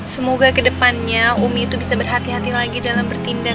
semoga kedepannya umi itu bisa berhati hati lagi dalam bertindak